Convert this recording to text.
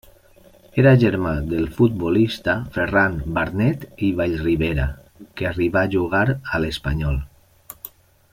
Era germà del futbolista Ferran Barnet i Vallribera, que arribà a jugar a l'Espanyol.